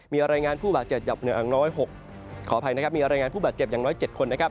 มีอร่ายงานผู้บาดเจ็บอย่างน้อย๗คน